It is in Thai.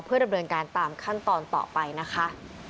ดำเนินการตามขั้นตอนต่อไปนะคะ